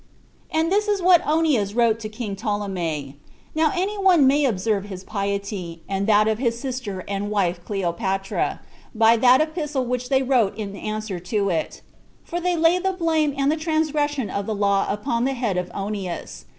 2. And this was what Onias wrote to king Ptolemy. Now any one may observe his piety, and that of his sister and wife Cleopatra, by that epistle which they wrote in answer to it; for they laid the blame and the transgression of the law upon the head of Onias.